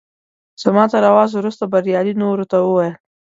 زما تر اواز وروسته بریالي نورو ته وویل.